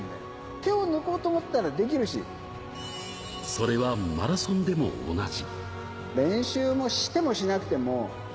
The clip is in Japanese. それはマラソンでも同じ。